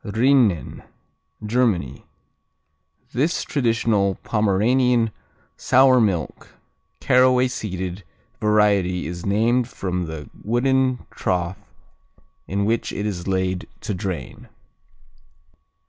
Rinnen Germany This traditional Pomeranian sour milk, caraway seeded variety is named from the wooden trough in which it is laid to drain.